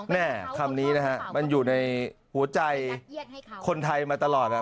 แม่คำนี้นะฮะมันอยู่ในหัวใจคนไทยมาตลอด